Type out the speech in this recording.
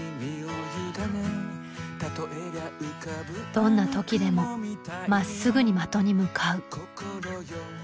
どんな時でもまっすぐに的に向かう。